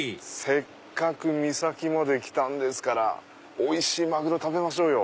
せっかく三崎まで来たんですからおいしいマグロ食べましょうよ。